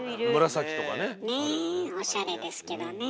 紫とかね。ねおしゃれですけどね。